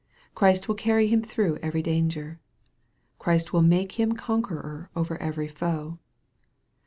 Christ will carry him through every danger. Christ will make him con queror over every foe.